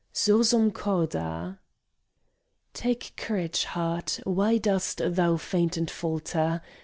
SURSUM CORDA Take courage, heart. Why dost thou faint and falter?